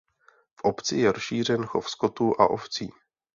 V obci je rozšířen chov skotu a ovcí.